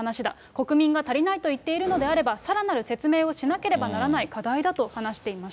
国民が足りないと言っているのであれば、さらなる説明をしなければならない課題だと話していました。